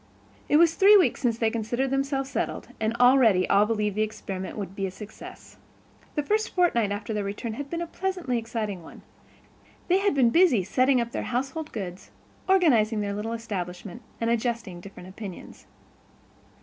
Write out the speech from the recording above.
It was three weeks since they had considered themselves settled, and already all believed the experiment would be a success. The first fortnight after their return had been a pleasantly exciting one; they had been busy setting up their household goods, organizing their little establishment, and adjusting different opinions.